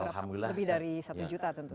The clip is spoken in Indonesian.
lebih dari satu juta tentu saja